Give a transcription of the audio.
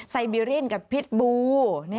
ไซบีเรียนกับพิษบู